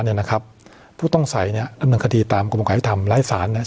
อธัญคทีตามกรุงประกอบความภาคภิกษ์พิมษ์รายสารเชื่อ